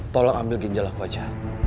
tolong ambil ginjal aku aja